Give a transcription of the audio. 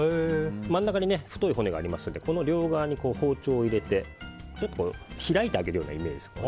真ん中に太い骨がありますんでこの両側に包丁を入れて開いてあげるようなイメージ。